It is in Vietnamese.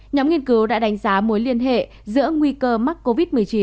nhóm nghiên cứu đã đánh giá mối liên hệ giữa nguy cơ mắc covid một mươi chín